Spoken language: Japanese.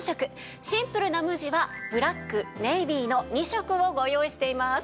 シンプルな無地はブラックネイビーの２色をご用意しています。